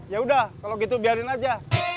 yaudah kalau gitu biarin aja